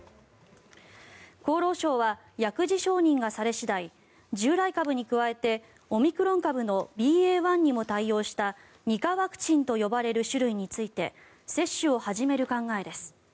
厚労省は薬事承認がされ次第従来株に加えてオミクロン株のＢＡ．１にも対応した２価ワクチンと呼ばれる種類について接種を始める考えです。